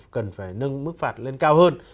cần phải nâng mức phạt lên cao hơn